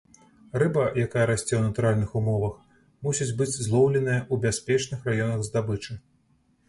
Рыба, якая расце ў натуральных умовах, мусіць быць злоўленая ў бяспечных раёнах здабычы.